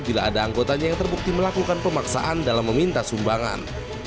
bila ada anggotanya yang terbukti melakukan pemaksaan dalam meminta sumbangan